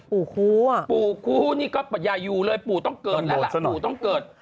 ปูคู้อ่ะปูคู้นี่ก็ปรญญายูเลยปู่ต้องเกิดสิครับปูต้องเกิด